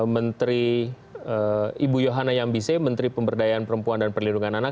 menteri ibu yohana yambise menteri pemberdayaan perempuan dan perlindungan anak